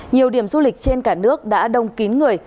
nhiều điểm du lịch trên cả nước đã đông kín người